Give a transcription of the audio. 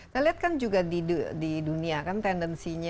saya lihat kan juga di dunia kan tendensinya